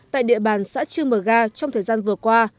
tại địa bàn sẽ chưa mở ra trong thời gian vừa qua